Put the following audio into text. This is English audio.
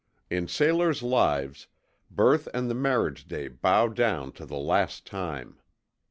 In sailors' lives, birth and the marriage day bow down to the Last Time.